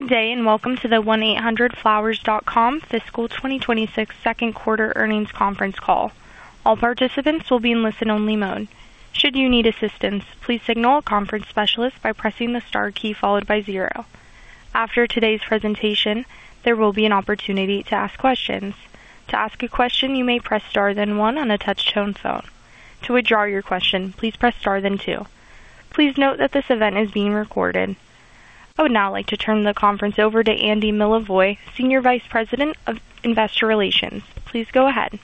Good day, and welcome to the 1-800-FLOWERS.COM Fiscal 2026 Second Quarter Earnings Conference Call. All participants will be in listen-only mode. Should you need assistance, please signal a conference specialist by pressing the star key followed by zero. After today's presentation, there will be an opportunity to ask questions. To ask a question, you may press star then one on a touch-tone phone. To withdraw your question, please press star then two. Please note that this event is being recorded. I would now like to turn the conference over to Andy Milevoj, Senior Vice President of Investor Relations. Please go ahead.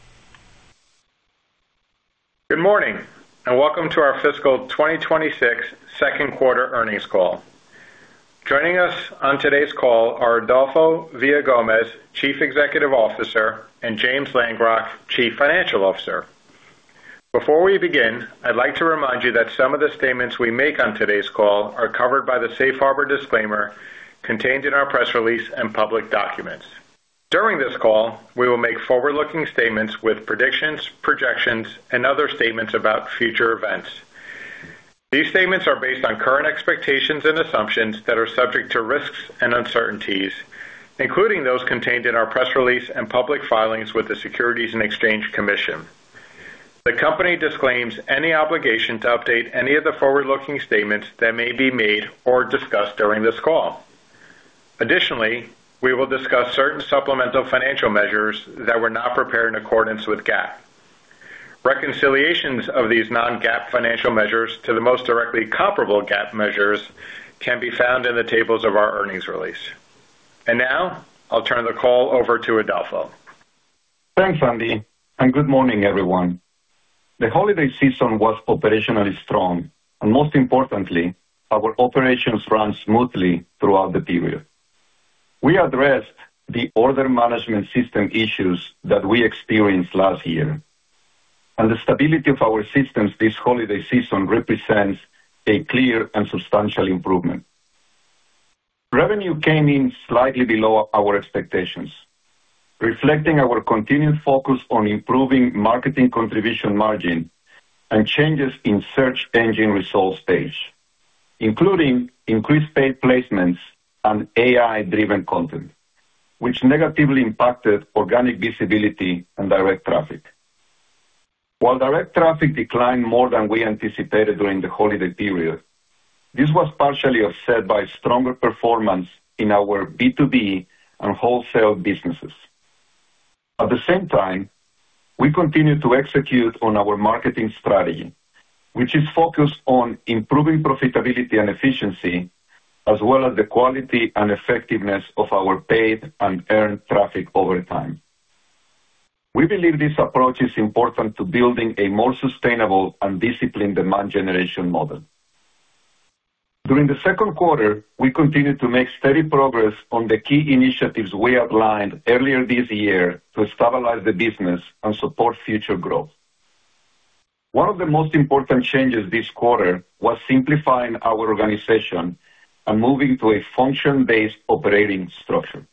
Good morning, and welcome to our fiscal 2026 second quarter earnings call. Joining us on today's call are Adolfo Villagomez, Chief Executive Officer, and James Langrock, Chief Financial Officer. Before we begin, I'd like to remind you that some of the statements we make on today's call are covered by the safe harbor disclaimer contained in our press release and public documents. During this call, we will make forward-looking statements with predictions, projections, and other statements about future events. These statements are based on current expectations and assumptions that are subject to risks and uncertainties, including those contained in our press release and public filings with the Securities and Exchange Commission. The company disclaims any obligation to update any of the forward-looking statements that may be made or discussed during this call. Additionally, we will discuss certain supplemental financial measures that were not prepared in accordance with GAAP. Reconciliations of these non-GAAP financial measures to the most directly comparable GAAP measures can be found in the tables of our earnings release. And now, I'll turn the call over to Adolfo. Thanks, Andy, and good morning, everyone. The holiday season was operationally strong, and most importantly, our operations ran smoothly throughout the period. We addressed the order management system issues that we experienced last year, and the stability of our systems this holiday season represents a clear and substantial improvement. Revenue came in slightly below our expectations, reflecting our continued focus on improving marketing contribution margin and changes in search engine results page, including increased paid placements and AI-driven content, which negatively impacted organic visibility and direct traffic. While direct traffic declined more than we anticipated during the holiday period, this was partially offset by stronger performance in our B2B and wholesale businesses. At the same time, we continued to execute on our marketing strategy, which is focused on improving profitability and efficiency, as well as the quality and effectiveness of our paid and earned traffic over time. We believe this approach is important to building a more sustainable and disciplined demand generation model. During the second quarter, we continued to make steady progress on the key initiatives we outlined earlier this year to stabilize the business and support future growth. One of the most important changes this quarter was simplifying our organization and moving to a function-based operating structure.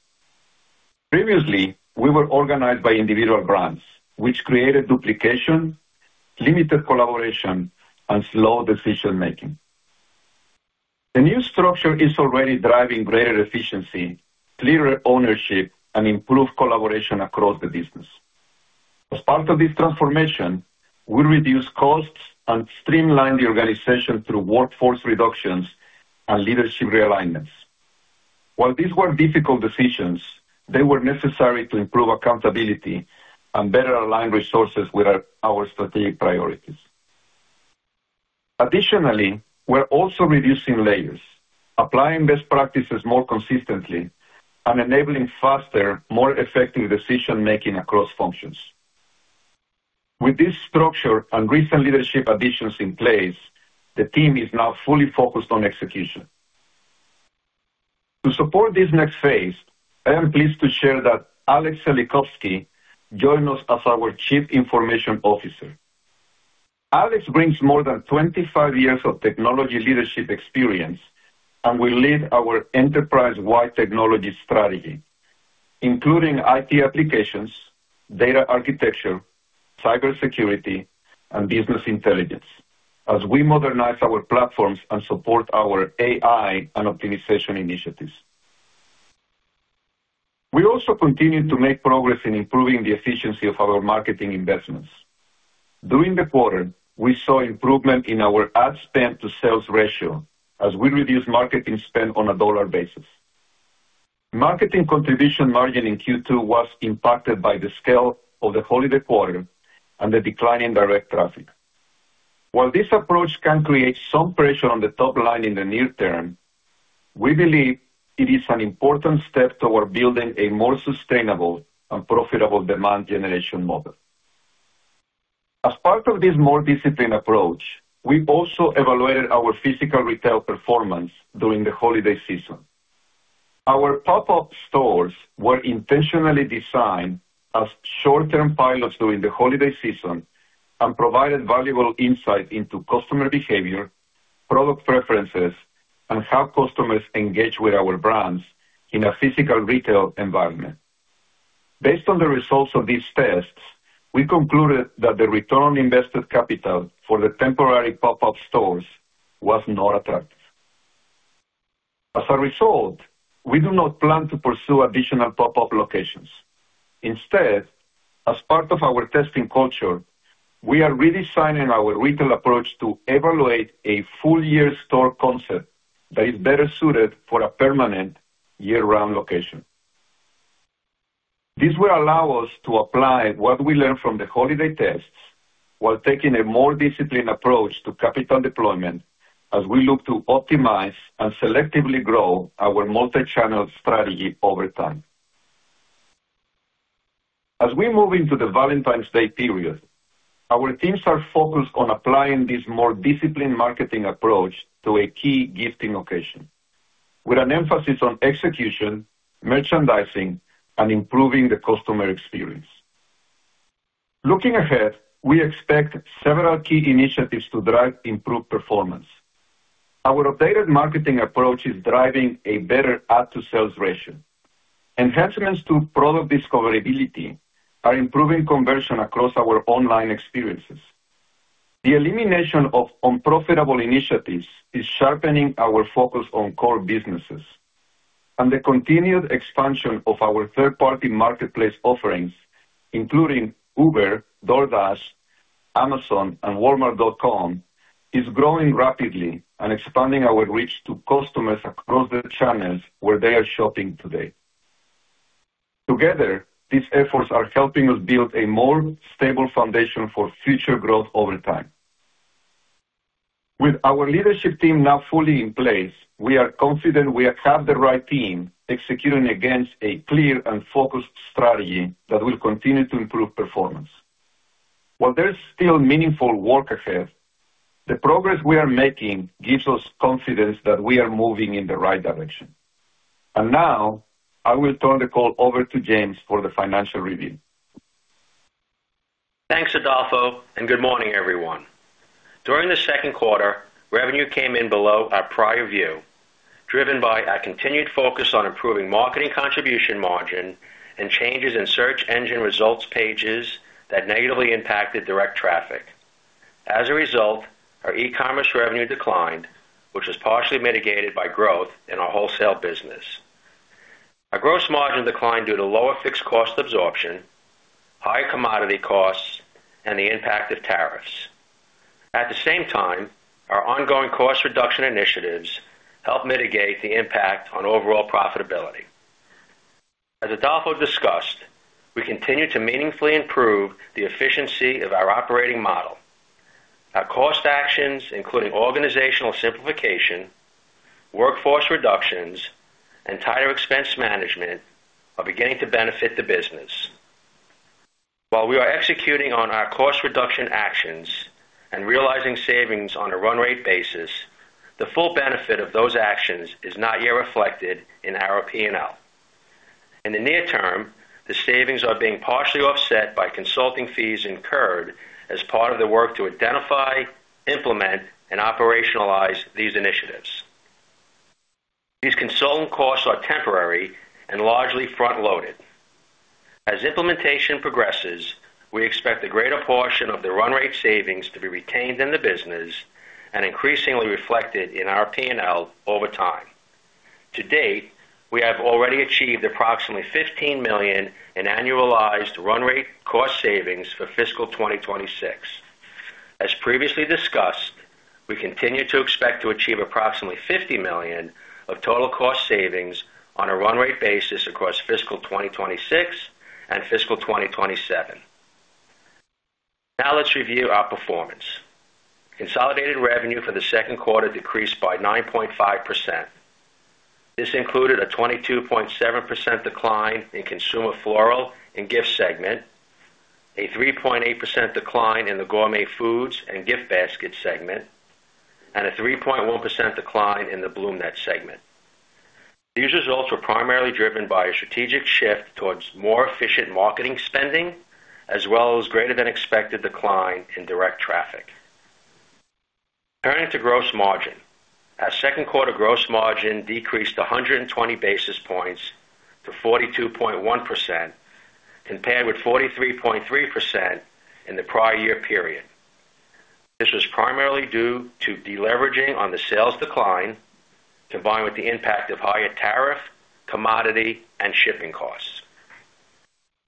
Previously, we were organized by individual brands, which created duplication, limited collaboration, and slow decision-making. The new structure is already driving greater efficiency, clearer ownership, and improved collaboration across the business. As part of this transformation, we reduced costs and streamlined the organization through workforce reductions and leadership realignments. While these were difficult decisions, they were necessary to improve accountability and better align resources with our strategic priorities. Additionally, we're also reducing layers, applying best practices more consistently, and enabling faster, more effective decision-making across functions. With this structure and recent leadership additions in place, the team is now fully focused on execution. To support this next phase, I am pleased to share that Alex Zelikovsky joined us as our Chief Information Officer. Alex brings more than 25 years of technology leadership experience and will lead our enterprise-wide technology strategy, including IT applications, data architecture, cybersecurity, and business intelligence, as we modernize our platforms and support our AI and optimization initiatives. We also continue to make progress in improving the efficiency of our marketing investments. During the quarter, we saw improvement in our ad spend-to-sales ratio as we reduced marketing spend on a dollar basis. Marketing contribution margin in Q2 was impacted by the scale of the holiday quarter and the decline in direct traffic. While this approach can create some pressure on the top line in the near term, we believe it is an important step toward building a more sustainable and profitable demand generation model. As part of this more disciplined approach, we also evaluated our physical retail performance during the holiday season. Our pop-up stores were intentionally designed as short-term pilots during the holiday season and provided valuable insight into customer behavior, product preferences, and how customers engage with our brands in a physical retail environment. Based on the results of these tests, we concluded that the return on invested capital for the temporary pop-up stores was not attractive. As a result, we do not plan to pursue additional pop-up locations. Instead, as part of our testing culture, we are redesigning our retail approach to evaluate a full-year store concept that is better suited for a permanent year-round location. This will allow us to apply what we learned from the holiday tests while taking a more disciplined approach to capital deployment as we look to optimize and selectively grow our multi-channel strategy over time. As we move into the Valentine's Day period, our teams are focused on applying this more disciplined marketing approach to a key gifting occasion, with an emphasis on execution, merchandising, and improving the customer experience. Looking ahead, we expect several key initiatives to drive improved performance. Our updated marketing approach is driving a better ad-to-sales ratio. Enhancements to product discoverability are improving conversion across our online experiences. The elimination of unprofitable initiatives is sharpening our focus on core businesses, and the continued expansion of our third-party marketplace offerings, including Uber, DoorDash, Amazon, and Walmart.com, is growing rapidly and expanding our reach to customers across the channels where they are shopping today. Together, these efforts are helping us build a more stable foundation for future growth over time. With our leadership team now fully in place, we are confident we have the right team executing against a clear and focused strategy that will continue to improve performance. While there's still meaningful work ahead, the progress we are making gives us confidence that we are moving in the right direction. And now, I will turn the call over to James for the financial review. Thanks, Adolfo, and good morning, everyone. During the second quarter, revenue came in below our prior view, driven by a continued focus on improving marketing contribution margin and changes in search engine results pages that negatively impacted direct traffic. As a result, our e-commerce revenue declined, which was partially mitigated by growth in our wholesale business. Our gross margin declined due to lower fixed cost absorption, higher commodity costs, and the impact of tariffs. At the same time, our ongoing cost reduction initiatives helped mitigate the impact on overall profitability. As Adolfo discussed, we continue to meaningfully improve the efficiency of our operating model. Our cost actions, including organizational simplification, workforce reductions, and tighter expense management, are beginning to benefit the business. While we are executing on our cost reduction actions and realizing savings on a run-rate basis, the full benefit of those actions is not yet reflected in our P&L. In the near term, the savings are being partially offset by consulting fees incurred as part of the work to identify, implement, and operationalize these initiatives. These consultant costs are temporary and largely front-loaded. As implementation progresses, we expect a greater portion of the run-rate savings to be retained in the business and increasingly reflected in our P&L over time. To date, we have already achieved approximately $15 million in annualized run-rate cost savings for fiscal 2026. As previously discussed, we continue to expect to achieve approximately $50 million of total cost savings on a run-rate basis across fiscal 2026 and fiscal 2027. Now, let's review our performance. Consolidated revenue for the second quarter decreased by 9.5%. This included a 22.7% decline in Consumer Floral & Gifts segment, a 3.8% decline in the Gourmet Foods & Gift Baskets segment, and a 3.1% decline in the BloomNet segment. These results were primarily driven by a strategic shift towards more efficient marketing spending, as well as greater-than-expected decline in direct traffic. Turning to gross margin, our second quarter gross margin decreased 120 basis points to 42.1%, compared with 43.3% in the prior-year-period. This was primarily due to deleveraging on the sales decline, combined with the impact of higher tariff, commodity, and shipping costs.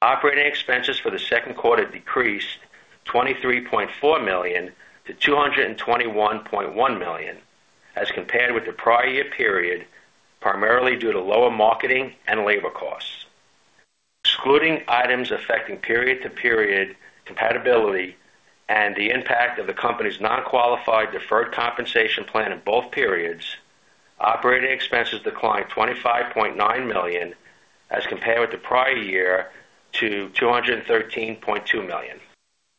Operating expenses for the second quarter decreased $23.4 million to $221.1 million, as compared with the prior-year-period, primarily due to lower marketing and labor costs. Excluding items affecting period-to-period compatibility and the impact of the company's non-qualified deferred compensation plan in both periods, operating expenses declined $25.9 million, as compared with the prior year, to $213.2 million.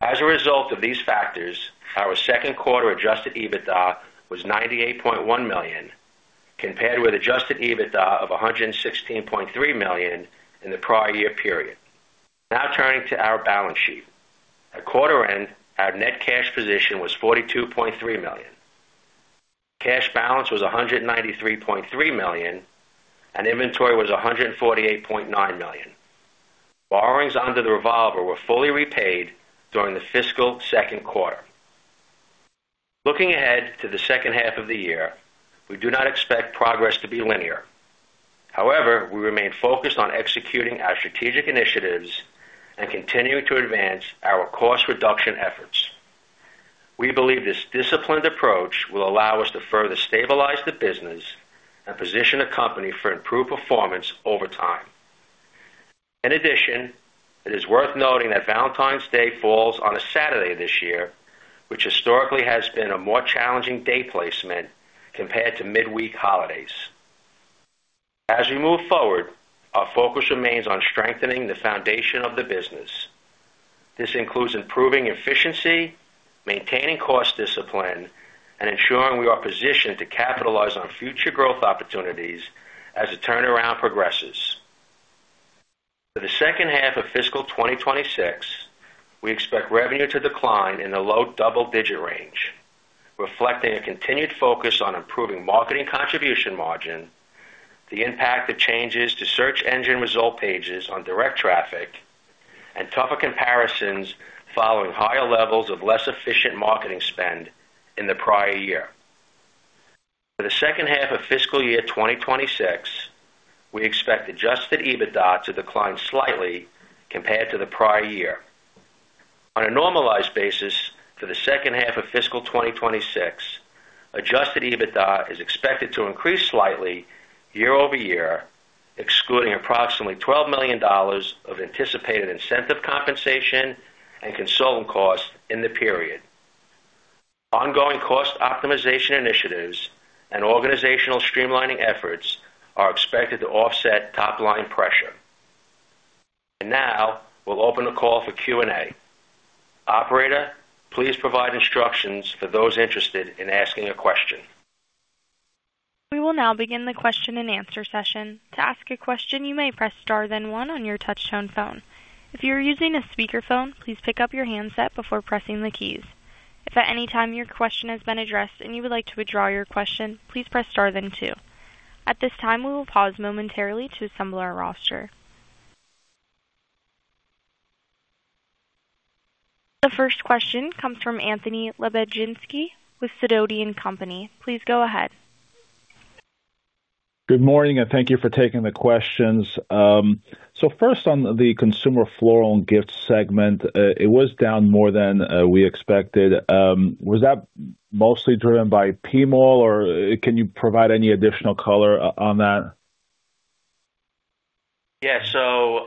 As a result of these factors, our second quarter Adjusted EBITDA was $98.1 million, compared with Adjusted EBITDA of $116.3 million in the prior-year-period. Now, turning to our balance sheet. At quarter end, our net cash position was $42.3 million. Cash balance was $193.3 million, and inventory was $148.9 million. Borrowings under the revolver were fully repaid during the fiscal second quarter. Looking ahead to the second-half of the year, we do not expect progress to be linear. However, we remain focused on executing our strategic initiatives and continuing to advance our cost reduction efforts. We believe this disciplined approach will allow us to further stabilize the business and position the company for improved performance over time. In addition, it is worth noting that Valentine's Day falls on a Saturday this year, which historically has been a more challenging day placement compared to midweek holidays. As we move forward, our focus remains on strengthening the foundation of the business. This includes improving efficiency, maintaining cost discipline, and ensuring we are positioned to capitalize on future growth opportunities as the turnaround progresses. For the second half of fiscal 2026, we expect revenue to decline in the low double-digit range, reflecting a continued focus on improving marketing contribution margin, the impact of changes to search engine result pages on direct traffic, and tougher comparisons following higher levels of less efficient marketing spend in the prior year. For the second half of fiscal year 2026, we expect Adjusted EBITDA to decline slightly compared to the prior year. On a normalized basis, for the second half of fiscal 2026, Adjusted EBITDA is expected to increase slightly year-over-year, excluding approximately $12 million of anticipated incentive compensation and consultant costs in the period. Ongoing cost optimization initiatives and organizational streamlining efforts are expected to offset top-line pressure. Now, we'll open the call for Q&A. Operator, please provide instructions for those interested in asking a question. We will now begin the question-and-answer session. To ask a question, you may press star then one on your touch-tone phone. If you are using a speakerphone, please pick up your handset before pressing the keys. If at any time your question has been addressed and you would like to withdraw your question, please press star then two. At this time, we will pause momentarily to assemble our roster. The first question comes from Anthony Lebiedzinski with Sidoti & Company. Please go ahead. Good morning, and thank you for taking the questions. First, on the Consumer Floral and Gift segment, it was down more than we expected. Was that mostly driven by PMall, or can you provide any additional color on that? Yeah. So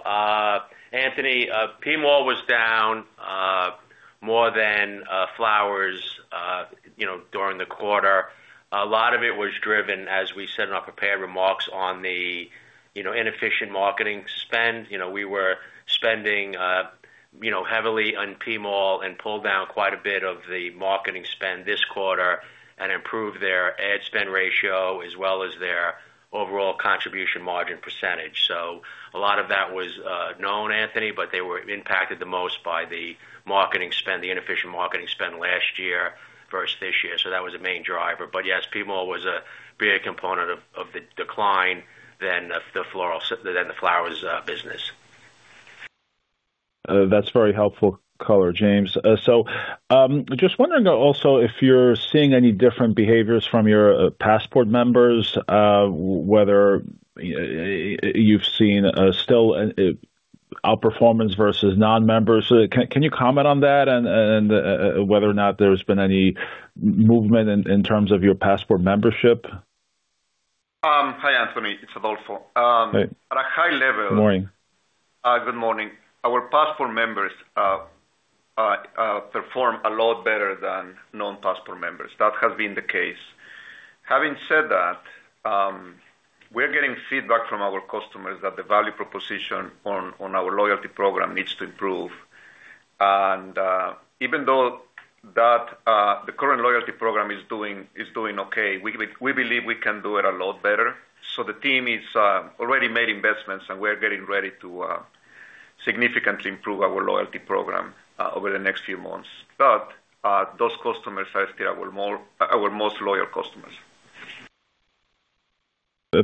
Anthony, PMall was down more than flowers during the quarter. A lot of it was driven, as we said in our prepared remarks, on the inefficient marketing spend. We were spending heavily on PMall and pulled down quite a bit of the marketing spend this quarter and improved their ad-to-sales ratio as well as their overall contribution margin percentage. So a lot of that was known, Anthony, but they were impacted the most by the marketing spend, the inefficient marketing spend last year versus this year. So that was a main driver. But yes, PMall was a bigger component of the decline than the flowers business. That's very helpful color, James. So just wondering also if you're seeing any different behaviors from your Passport members, whether you've seen still outperformance versus non-members? Can you comment on that and whether or not there's been any movement in terms of your Passport membership? Hi, Anthony. It's Adolfo. Hey. At a high level. Good morning. Good morning. Our passport members perform a lot better than non-passport members. That has been the case. Having said that, we're getting feedback from our customers that the value proposition on our loyalty program needs to improve. And even though the current loyalty program is doing okay, we believe we can do it a lot better. So the team has already made investments, and we're getting ready to significantly improve our loyalty program over the next few months. But those customers are still our most loyal customers.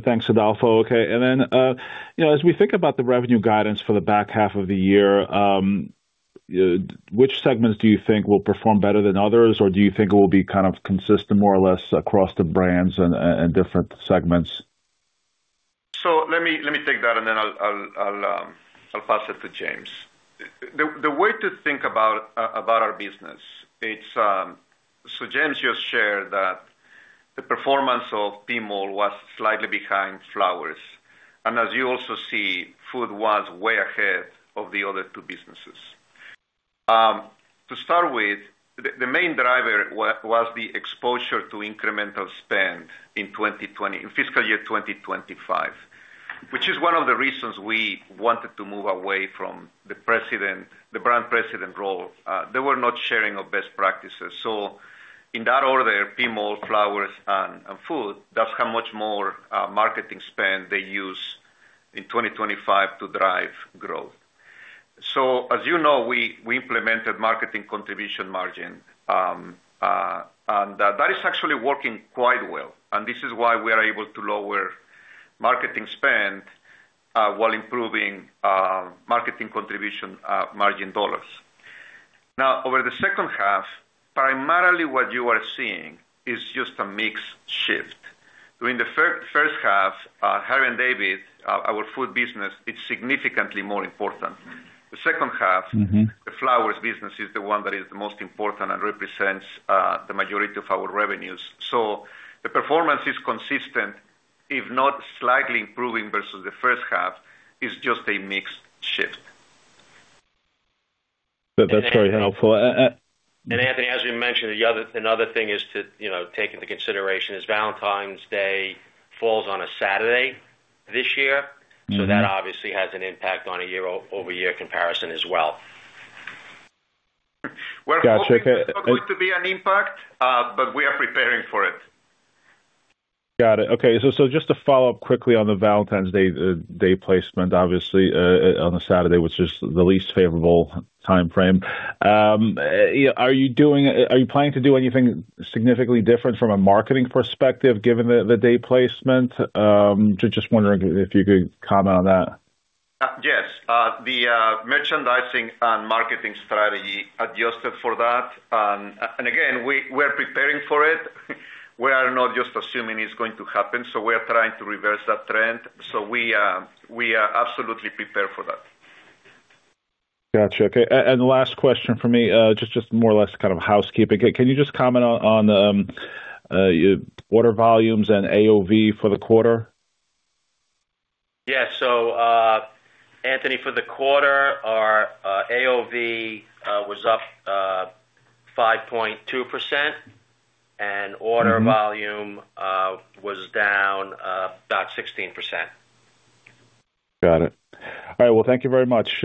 Thanks, Adolfo. Okay. And then as we think about the revenue guidance for the back half of the year, which segments do you think will perform better than others, or do you think it will be kind of consistent more or less across the brands and different segments? So let me take that, and then I'll pass it to James. The way to think about our business, so James just shared that the performance of PMall was slightly behind flowers. And as you also see, food was way ahead of the other two businesses. To start with, the main driver was the exposure to incremental spend in fiscal year 2025, which is one of the reasons we wanted to move away from the brand president role. They were not sharing our best practices. So in that order, PMall, flowers, and food, that's how much more marketing spend they use in 2025 to drive growth. So as you know, we implemented marketing contribution margin, and that is actually working quite well. And this is why we are able to lower marketing spend while improving marketing contribution margin dollars. Now, over the second half, primarily what you are seeing is just a mixed shift. During the first half, Harry & David, our food business, it's significantly more important. The second half, the flowers business is the one that is the most important and represents the majority of our revenues. So the performance is consistent, if not slightly improving versus the first half, it's just a mixed shift. That's very helpful. Anthony, as we mentioned, another thing is to take into consideration Valentine's Day falls on a Saturday this year. That obviously has an impact on a year-over-year comparison as well. We're hoping there's going to be an impact, but we are preparing for it. Got it. Okay. So just to follow up quickly on the Valentine's Day placement, obviously, on a Saturday, which is the least favorable time frame. Are you planning to do anything significantly different from a marketing perspective given the day placement? Just wondering if you could comment on that. Yes. The merchandising and marketing strategy adjusted for that. And again, we are preparing for it. We are not just assuming it's going to happen. So we are trying to reverse that trend. So we are absolutely prepared for that. Gotcha. Okay. The last question for me, just more or less kind of housekeeping. Can you just comment on the order volumes and AOV for the quarter? Yeah. So Anthony, for the quarter, our AOV was up 5.2%, and order volume was down about 16%. Got it. All right. Well, thank you very much.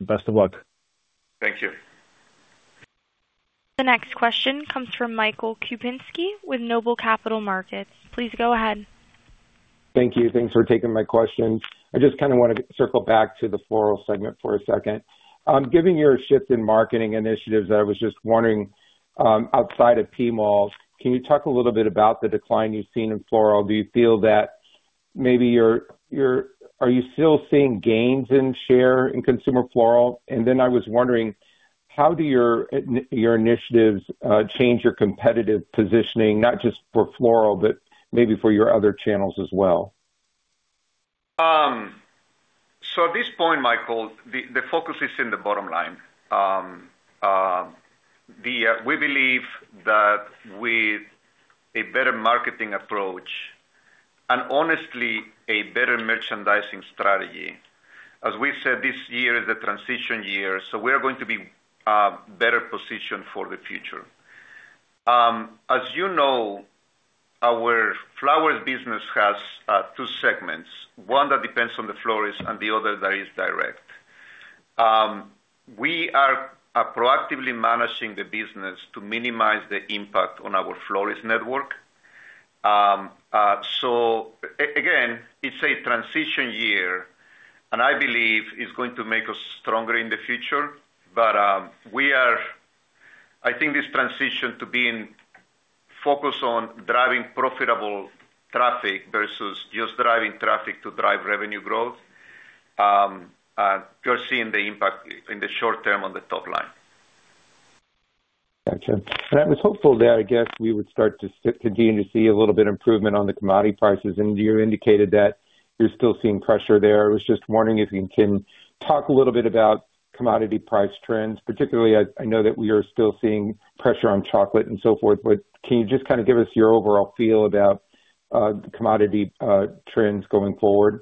Best of luck. Thank you. The next question comes from Michael Kupinski with Noble Capital Markets. Please go ahead. Thank you. Thanks for taking my question. I just kind of want to circle back to the floral segment for a second. Given your shift in marketing initiatives, I was just wondering, outside of PMall, can you talk a little bit about the decline you've seen in floral? Do you feel that maybe you are still seeing gains in share in consumer floral? And then I was wondering, how do your initiatives change your competitive positioning, not just for floral, but maybe for your other channels as well? So at this point, Michael, the focus is in the bottom line. We believe that with a better marketing approach and, honestly, a better merchandising strategy, as we said, this year is the transition year, so we're going to be better positioned for the future. As you know, our flowers business has two segments: one that depends on the florists and the other that is direct. We are proactively managing the business to minimize the impact on our florist network. So again, it's a transition year, and I believe it's going to make us stronger in the future. But I think this transition to being focused on driving profitable traffic versus just driving traffic to drive revenue growth, you're seeing the impact in the short term on the top line. Gotcha. And I was hopeful that I guess we would start to begin to see a little bit of improvement on the commodity prices. And you indicated that you're still seeing pressure there. I was just wondering if you can talk a little bit about commodity price trends, particularly I know that we are still seeing pressure on chocolate and so forth. But can you just kind of give us your overall feel about the commodity trends going forward?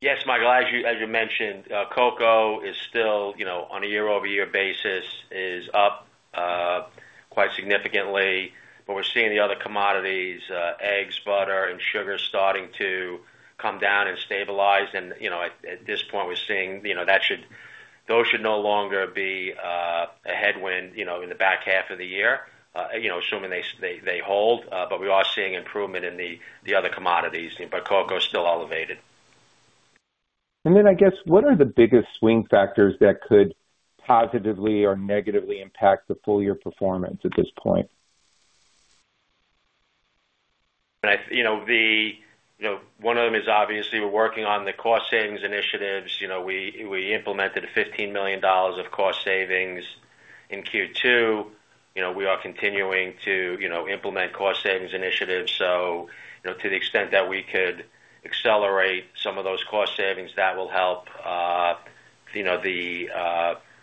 Yes, Michael. As you mentioned, cocoa is still, on a year-over-year basis, up quite significantly. But we're seeing the other commodities, eggs, butter, and sugar, starting to come down and stabilize. And at this point, we're seeing those should no longer be a headwind in the back half of the year, assuming they hold. But we are seeing improvement in the other commodities, but cocoa is still elevated. I guess, what are the biggest swing factors that could positively or negatively impact the full-year performance at this point? One of them is obviously we're working on the cost savings initiatives. We implemented $15 million of cost savings in Q2. We are continuing to implement cost savings initiatives. So to the extent that we could accelerate some of those cost savings, that will help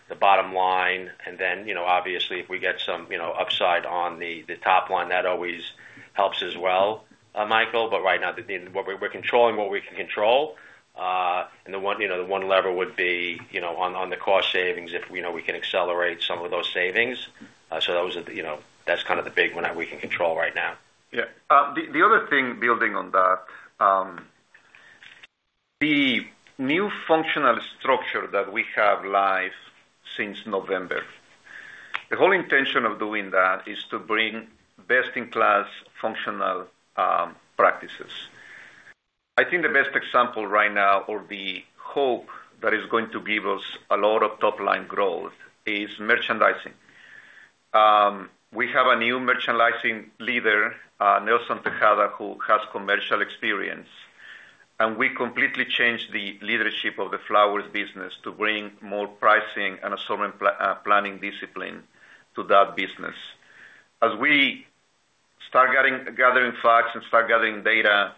the bottom line. And then obviously, if we get some upside on the top line, that always helps as well, Michael. But right now, we're controlling what we can control. And the one lever would be on the cost savings if we can accelerate some of those savings. So that's kind of the big one that we can control right now. Yeah. The other thing building on that, the new functional structure that we have live since November, the whole intention of doing that is to bring best-in-class functional practices. I think the best example right now, or the hope that is going to give us a lot of top-line growth, is merchandising. We have a new merchandising leader, Nelson Tejada, who has commercial experience. And we completely changed the leadership of the flowers business to bring more pricing and assortment planning discipline to that business. As we start gathering facts and start gathering data,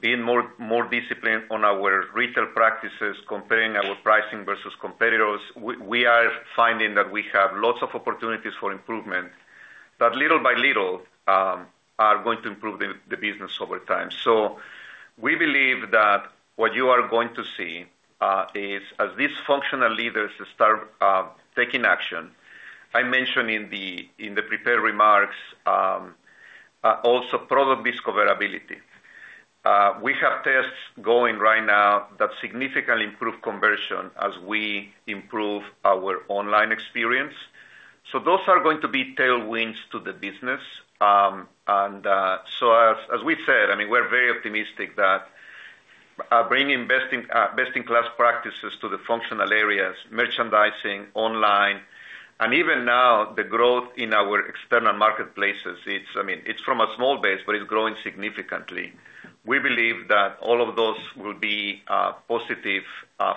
being more disciplined on our retail practices, comparing our pricing versus competitors, we are finding that we have lots of opportunities for improvement that little by little are going to improve the business over time. So, we believe that what you are going to see is, as these functional leaders start taking action, I mentioned in the prepared remarks also product discoverability. We have tests going right now that significantly improve conversion as we improve our online experience. So those are going to be tailwinds to the business. And so, as we said, I mean, we're very optimistic that bringing best-in-class practices to the functional areas, merchandising, online, and even now the growth in our external marketplaces, I mean, it's from a small base, but it's growing significantly. We believe that all of those will be positive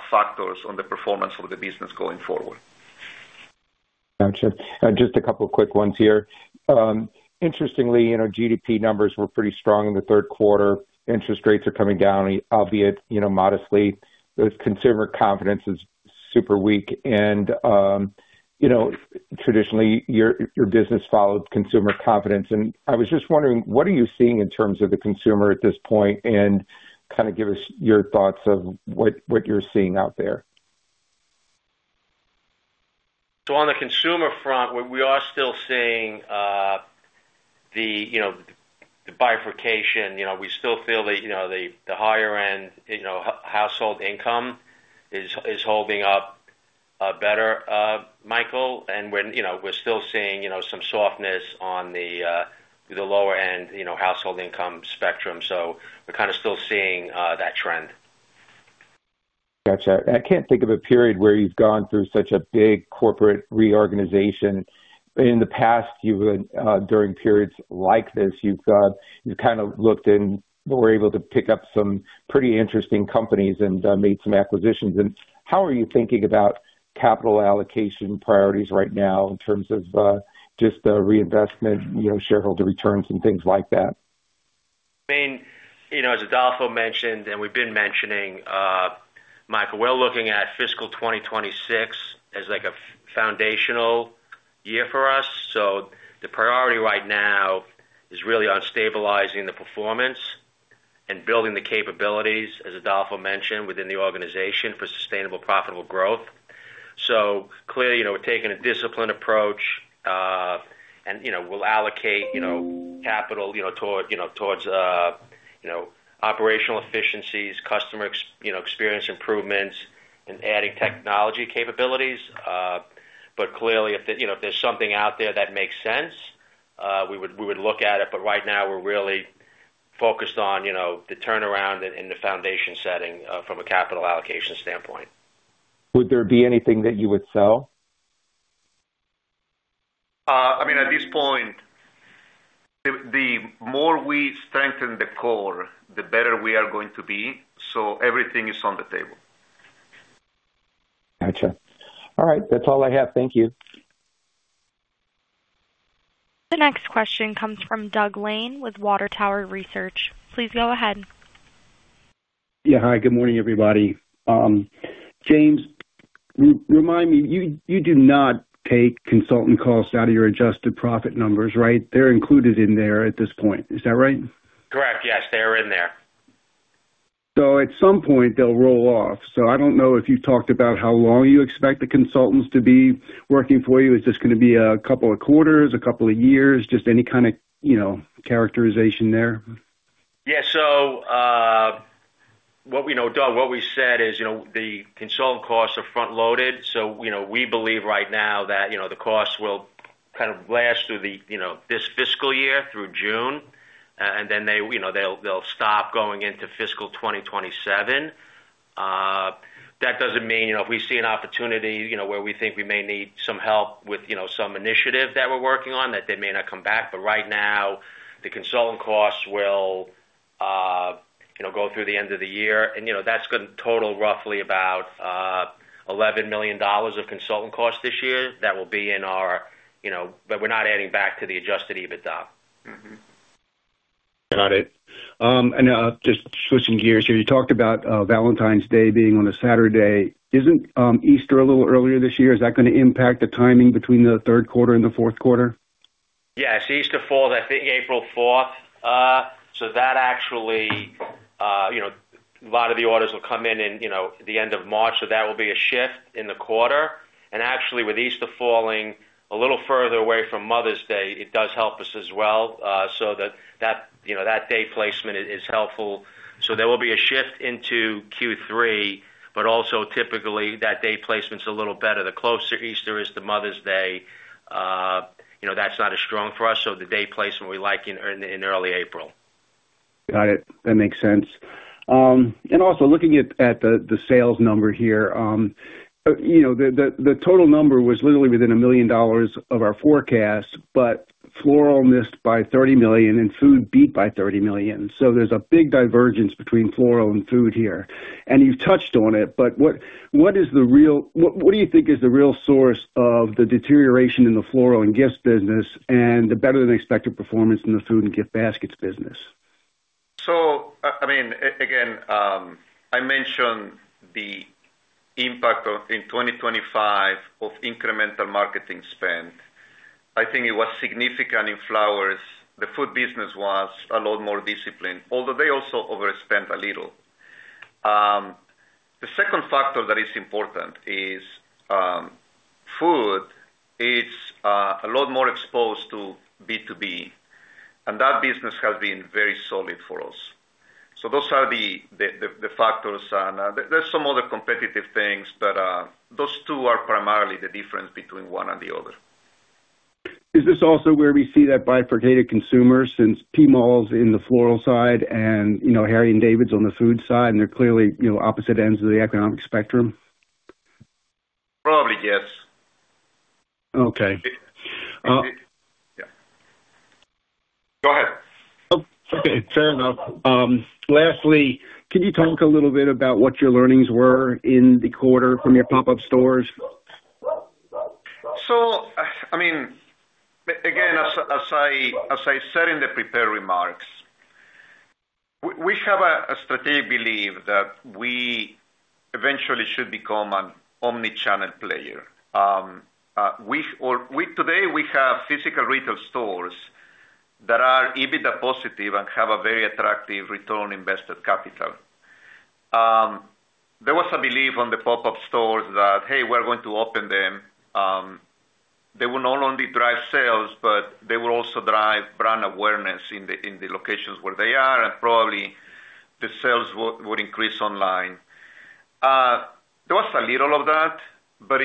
factors on the performance of the business going forward. Gotcha. Just a couple of quick ones here. Interestingly, GDP numbers were pretty strong in the third quarter. Interest rates are coming down, albeit modestly. Consumer confidence is super weak. And traditionally, your business followed consumer confidence. And I was just wondering, what are you seeing in terms of the consumer at this point? And kind of give us your thoughts of what you're seeing out there. On the consumer front, we are still seeing the bifurcation. We still feel the higher-end household income is holding up better, Michael. We're still seeing some softness on the lower-end household income spectrum. We're kind of still seeing that trend. Gotcha. I can't think of a period where you've gone through such a big corporate reorganization. In the past, during periods like this, you've kind of looked and were able to pick up some pretty interesting companies and made some acquisitions. How are you thinking about capital allocation priorities right now in terms of just reinvestment, shareholder returns, and things like that? I mean, as Adolfo mentioned, and we've been mentioning, Michael, we're looking at fiscal 2026 as a foundational year for us. So the priority right now is really on stabilizing the performance and building the capabilities, as Adolfo mentioned, within the organization for sustainable, profitable growth. So clearly, we're taking a disciplined approach, and we'll allocate capital towards operational efficiencies, customer experience improvements, and adding technology capabilities. But clearly, if there's something out there that makes sense, we would look at it. But right now, we're really focused on the turnaround and the foundation setting from a capital allocation standpoint. Would there be anything that you would sell? I mean, at this point, the more we strengthen the core, the better we are going to be. So everything is on the table. Gotcha. All right. That's all I have. Thank you. The next question comes from Doug Lane with Water Tower Research. Please go ahead. Yeah. Hi. Good morning, everybody. James, remind me, you do not take consultant costs out of your adjusted profit numbers, right? They're included in there at this point. Is that right? Correct. Yes. They are in there. At some point, they'll roll off. I don't know if you've talked about how long you expect the consultants to be working for you. Is this going to be a couple of quarters, a couple of years, just any kind of characterization there? Yeah. So Doug, what we said is the consultant costs are front-loaded. So we believe right now that the costs will kind of last through this fiscal year through June, and then they'll stop going into fiscal 2027. That doesn't mean if we see an opportunity where we think we may need some help with some initiative that we're working on, that they may not come back. But right now, the consultant costs will go through the end of the year. And that's going to total roughly about $11 million of consultant costs this year that will be in our but we're not adding back to the Adjusted EBITDA. Got it. Just switching gears here, you talked about Valentine's Day being on a Saturday. Isn't Easter a little earlier this year? Is that going to impact the timing between the third quarter and the fourth quarter? Yes. Easter falls, I think, April 4th. So that actually a lot of the orders will come in at the end of March. So that will be a shift in the quarter. And actually, with Easter falling a little further away from Mother's Day, it does help us as well. So that day placement is helpful. So there will be a shift into Q3. But also, typically, that day placement's a little better. The closer Easter is to Mother's Day, that's not as strong for us. So the day placement we like in early April. Got it. That makes sense. Also looking at the sales number here, the total number was literally within $1 million of our forecast, but floral missed by $30 million and food beat by $30 million. So there's a big divergence between floral and food here. You've touched on it, but what do you think is the real source of the deterioration in the floral and gift business and the better-than-expected performance in the food and gift baskets business? So I mean, again, I mentioned the impact in 2025 of incremental marketing spend. I think it was significant in flowers. The food business was a lot more disciplined, although they also overspent a little. The second factor that is important is food. It's a lot more exposed to B2B, and that business has been very solid for us. So those are the factors. And there's some other competitive things, but those two are primarily the difference between one and the other. Is this also where we see that bifurcated consumer seen PMall in the floral side and Harry & David's on the food side, and they're clearly opposite ends of the economic spectrum? Probably, yes. Okay. Yeah. Go ahead. Okay. Fair enough. Lastly, can you talk a little bit about what your learnings were in the quarter from your pop-up stores? So I mean, again, as I said in the prepared remarks, we have a strategic belief that we eventually should become an omnichannel player. Today, we have physical retail stores that are EBITDA positive and have a very attractive return on invested capital. There was a belief on the pop-up stores that, "Hey, we're going to open them." They will not only drive sales, but they will also drive brand awareness in the locations where they are, and probably the sales would increase online. There was a little of that. But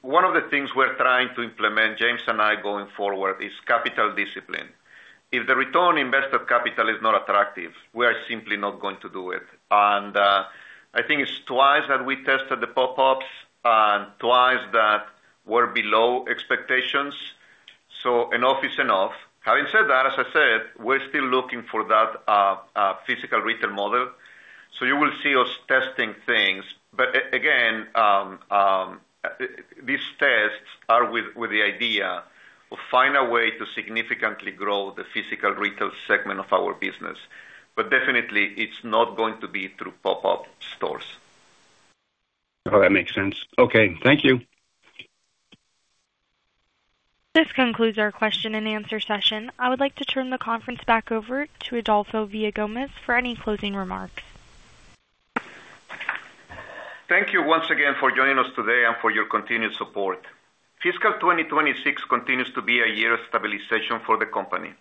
one of the things we're trying to implement, James and I going forward, is capital discipline. If the return on invested capital is not attractive, we are simply not going to do it. And I think it's twice that we tested the pop-ups and twice that we're below expectations. So enough is enough. Having said that, as I said, we're still looking for that physical retail model. So you will see us testing things. But again, these tests are with the idea of finding a way to significantly grow the physical retail segment of our business. But definitely, it's not going to be through pop-up stores. Oh, that makes sense. Okay. Thank you. This concludes our question-and-answer session. I would like to turn the conference back over to Adolfo Villagomez for any closing remarks. Thank you once again for joining us today and for your continued support. Fiscal 2026 continues to be a year of stabilization for the company.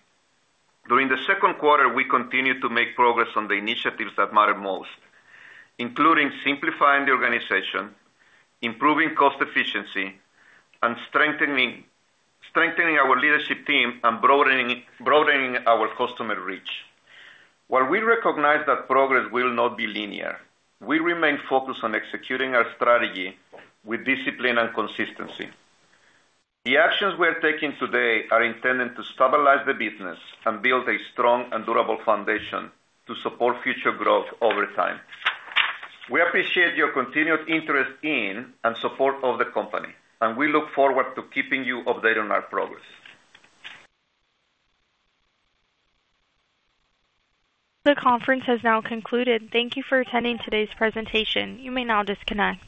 During the second quarter, we continue to make progress on the initiatives that matter most, including simplifying the organization, improving cost efficiency, and strengthening our leadership team and broadening our customer reach. While we recognize that progress will not be linear, we remain focused on executing our strategy with discipline and consistency. The actions we are taking today are intended to stabilize the business and build a strong and durable foundation to support future growth over time. We appreciate your continued interest in and support of the company, and we look forward to keeping you updated on our progress. The conference has now concluded. Thank you for attending today's presentation. You may now disconnect.